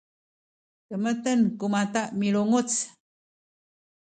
kemeten ku mata milunguc